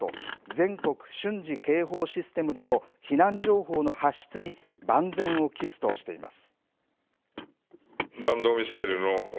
・全国瞬時警報システムでの避難情報の発出に万全を期すとしています。